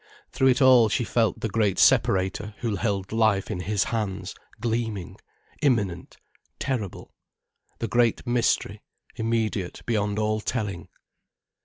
Through it all she felt the great Separator who held life in His hands, gleaming, imminent, terrible, the Great Mystery, immediate beyond all telling.